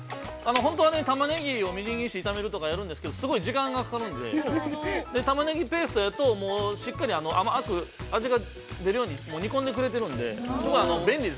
本当はね、タマネギをみじん切りにして炒めるとかやるんですけどすごい時間がかかるんでタマネギペーストやとしっかり甘く味が出るように煮込んでくれてるんですごく便利です。